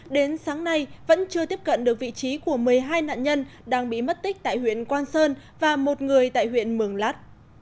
đến sáng nay vẫn chưa tiếp cận được vị trí của một mươi hai nạn nhân đang bị mất tích tại huyện quang sơn và một người tại huyện mường lát